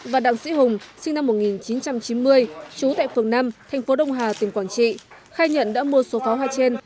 và đặng sĩ hùng sinh năm một nghìn chín trăm chín mươi trú tại phường năm thành phố đông hà tỉnh quảng trị khai nhận đã mua số pháo hoa trên